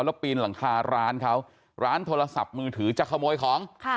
แล้วปีนหลังคาร้านเขาร้านโทรศัพท์มือถือจะขโมยของ